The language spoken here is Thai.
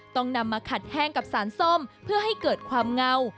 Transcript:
ต้องนำมาขัดแห้งกับสารส้มเพื่อให้เกิดความเงา